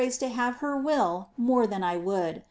to have her will more than I would.